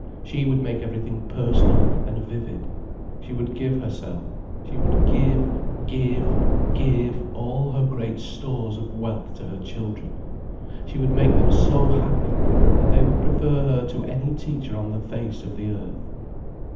She would make everything personal and vivid, she would give herself, she would give, give, give all her great stores of wealth to her children, she would make them so happy, and they would prefer her to any teacher on the face of the earth.